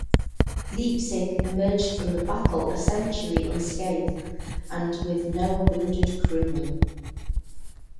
"Leipzig" emerged from the battle essentially unscathed, and with no wounded crewmen.